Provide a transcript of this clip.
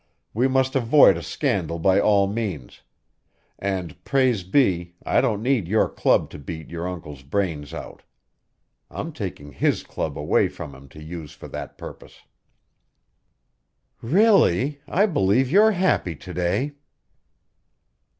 We must avoid a scandal by all means; and praise be, I don't need your club to beat your uncle's brains out. I'm taking HIS club away from him to use for that purpose." "Really, I believe you're happy to day."